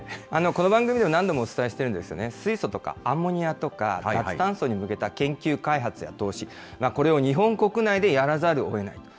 この番組でも何度もお伝えしてるんですよね、水素とかアンモニアとか、脱炭素に向けた研究開発や投資、これを日本国内でやらざるをえない。